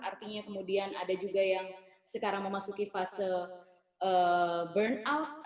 artinya kemudian ada juga yang sekarang memasuki fase burnout